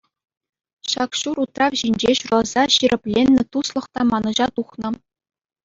Ҫак ҫур утрав ҫинче ҫуралса ҫирӗпленнӗ туслӑх та манӑҫа тухнӑ.